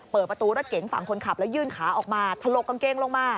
เปิดประตูรถเก๋งฝั่งคนขับแล้วยื่นขาออกมาถลกกางเกงลงมา